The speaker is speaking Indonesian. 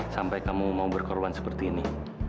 sampai kamu mau berkorban seperti ini